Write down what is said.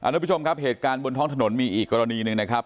ทุกผู้ชมครับเหตุการณ์บนท้องถนนมีอีกกรณีหนึ่งนะครับ